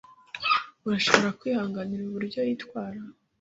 Urashobora kwihanganira uburyo yitwara?